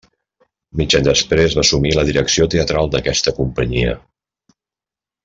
Mig any després va assumir la direcció teatral d'aquesta companyia.